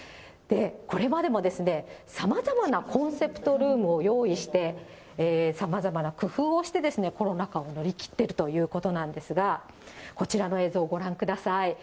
これまでもさまざまなコンセプトルームを用意して、さまざまな工夫をして、コロナ禍を乗り切っているということなんですが、こちらの映像、ご覧ください。